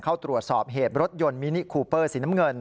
เขาตรวจสอบเหตุรถยนต์มินิคูเปอร์สน